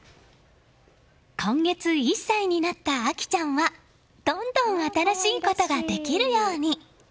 今月、１歳になった綾季ちゃんはどんどん新しいことができるように。